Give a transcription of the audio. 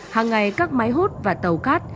hằng ngày các máy hút và tàu cát